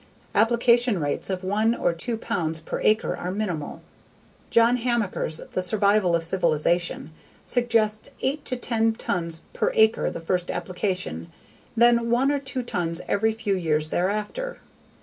Application rates of one or two tons per acre are minimal. John Hamaker's _The Survival of Civilization _suggests eight to ten tons per acre the first application and then one or two tons every few years thereafter.